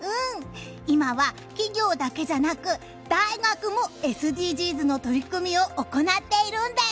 今は企業だけじゃなく大学も、ＳＤＧｓの取り組みを行っているんです。